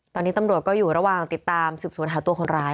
ตอนนี้ตำรวจก็อยู่ระหว่างติดตามสืบสวนหาตัวคนร้าย